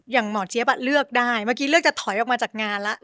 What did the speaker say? หมอเจี๊ยบเลือกได้เมื่อกี้เลือกจะถอยออกมาจากงานแล้ว